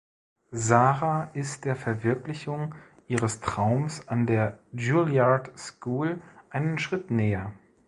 Sara ist der Verwirklichung ihres Traums an der Juilliard School einen Schritt näher.